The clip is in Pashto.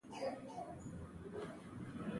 احمده! خپل بار پر بل چا مه اچوه.